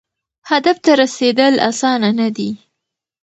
هدف ته رسیدل اسانه نه دي.